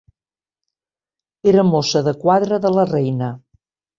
Era mossa de quadra de la reina.